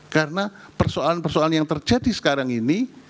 karena persoalan persoalan yang terjadi sekarang ini